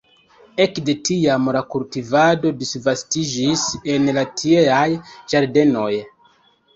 Ekde tiam la kultivado disvastiĝis en la tieaj ĝardenoj.